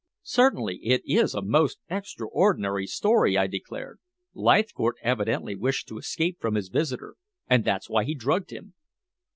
"Certainly, it is a most extraordinary story," I declared. "Leithcourt evidently wished to escape from his visitor, and that's why he drugged him."